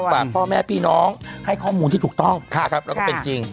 ฝากพ่อแม่พี่น้องให้ข้อมูลที่ถูกต้องนะครับแล้วก็เป็นจริง